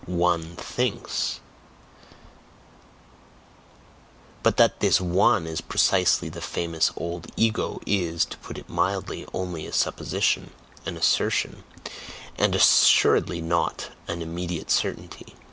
ONE thinks; but that this "one" is precisely the famous old "ego," is, to put it mildly, only a supposition, an assertion, and assuredly not an "immediate certainty."